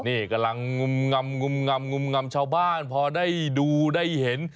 นี่กำลังงมำชาวบ้านพอได้ดูได้เห็น